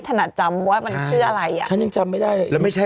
ถนัดจำว่ามันคืออะไรอ่ะฉันยังจำไม่ได้แล้วไม่ใช่